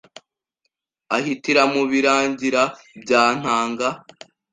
ahitira mu Birangira bya Ntaga,